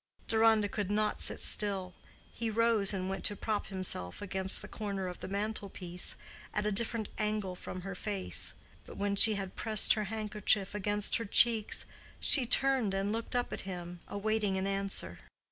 Deronda could not sit still. He rose, and went to prop himself against the corner of the mantel piece, at a different angle from her face. But when she had pressed her handkerchief against her cheeks, she turned and looked up at him, awaiting an answer.